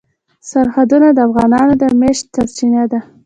سرحدونه د افغانانو د معیشت سرچینه ده.